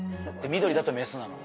緑だとメスなの。